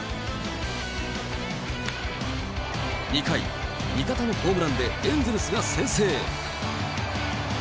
２回、味方のホームランでエンゼルスが先制。